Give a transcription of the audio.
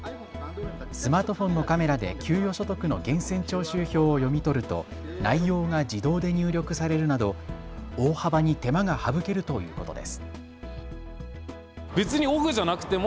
スマートフォンのカメラで給与所得の源泉徴収票を読み取ると内容が自動で入力されるなど大幅に手間が省けるということです。